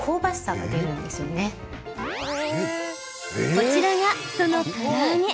こちらがそのから揚げ。